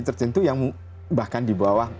tertentu yang bahkan di bawah